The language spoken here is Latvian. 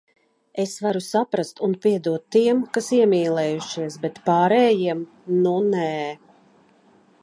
Es varu saprast un piedot tiem, kas iemīlējušies, bet pārējiem- nu, nē.